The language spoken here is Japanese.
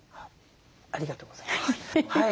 ありがとうございます。